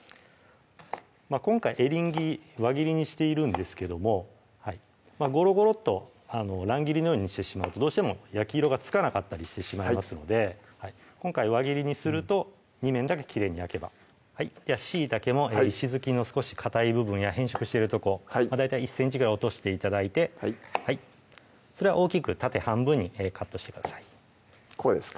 今回エリンギ輪切りにしているんですけどもゴロゴロッと乱切りのようにしてしまうとどうしても焼き色がつかなかったりしてしまうので今回輪切りにすると２面だけきれいに焼けばではしいたけも石突きの少しかたい部分や変色してるとこ大体１ｃｍぐらい落として頂いてそれは大きく縦半分にカットしてくださいこうですか？